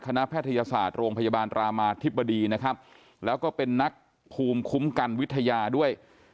แพทยศาสตร์โรงพยาบาลรามาธิบดีนะครับแล้วก็เป็นนักภูมิคุ้มกันวิทยาด้วย